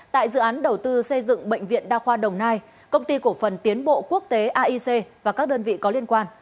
tại dự án đầu tư xây dựng bệnh viện đa khoa đồng nai công ty cổ phần tiến bộ quốc tế aic và các đơn vị có liên quan